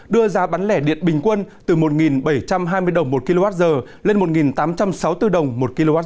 đưa giá bán lẻ điện bình quân từ một bảy trăm hai mươi đồng một kwh lên một tám trăm sáu mươi bốn đồng một kwh